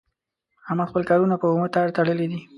احمد خپل کارونه په اومه تار تړلي دي.